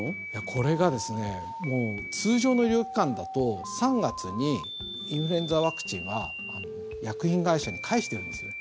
これが通常の医療機関だと３月にインフルエンザワクチンは薬品会社に返してるんですよね。